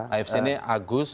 afc ini agus